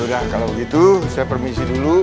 udah kalau begitu saya permisi dulu